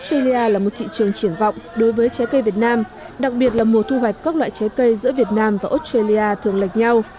australia là một thị trường triển vọng đối với trái cây việt nam đặc biệt là mùa thu hoạch các loại trái cây giữa việt nam và australia thường lệch nhau